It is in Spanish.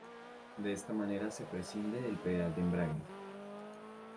De esta manera se prescinde del pedal del embrague.